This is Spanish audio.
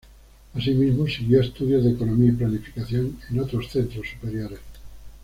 Asimismo, siguió estudios de Economía y Planificación en otros centros superiores.